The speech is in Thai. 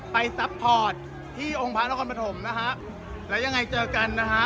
ซัพพอร์ตที่องค์พระนครปฐมนะฮะแล้วยังไงเจอกันนะฮะ